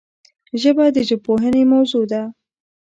ژبه د ژبپوهنې موضوع ده